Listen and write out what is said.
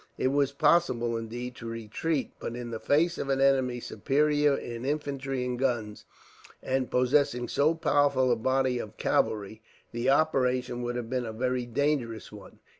It was possible, indeed, to retreat, but in the face of an enemy superior in infantry and guns, and possessing so powerful a body of cavalry, the operation would have been a very dangerous one.